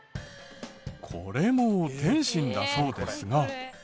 これも点心だそうですが。